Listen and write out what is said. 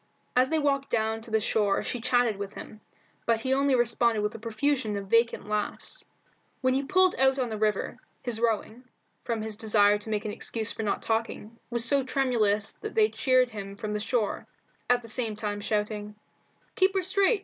As they walked down to the shore she chatted with him, but he only responded with a profusion of vacant laughs. When he had pulled out on the river, his rowing, from his desire to make an excuse for not talking, was so tremendous that they cheered him from the shore, at the same time shouting "Keep her straight!